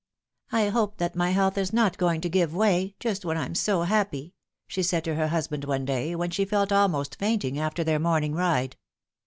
" I hope that my health is not going to give way, just when I am so'happy," she said to her husband one day, when she felt almost fainting after their morning ride.